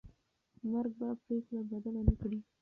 مرګ به پرېکړه بدله نه کړي.